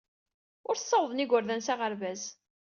Ur ssawḍen igerdan s aɣerbaz.